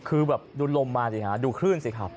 คือแบบดูลมมาสิฮะดูคลื่นสิครับ